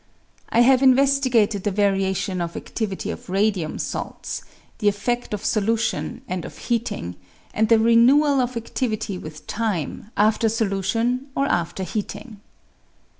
I have investigated the variation of adivit\ of radium salts, the effed of solution and of heating, and the renewal of adivity w ith time, after solution or after heating.